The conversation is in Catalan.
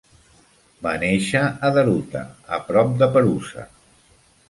Va néixer a Deruta, a prop de Perusa.